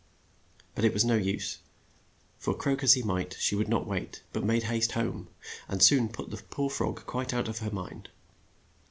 But it was of no use, for croak as he might she would not wait, but made haste home, and soon put the poor frog quite out of her mind.